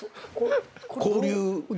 交流。